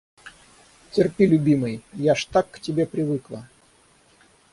Терпи, любимый. Я ж так к тебе привыкла!